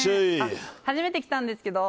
初めて来たんですけど。